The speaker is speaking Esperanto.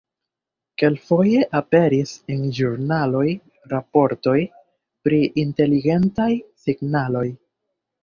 Kelkfoje aperis en ĵurnaloj raportoj pri inteligentaj signaloj.